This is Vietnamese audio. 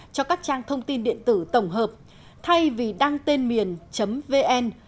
cho các trang thông tin điện tử tổng hợp thay vì đăng tên miền vn